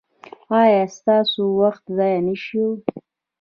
ایا ستاسو وخت ضایع نه شو؟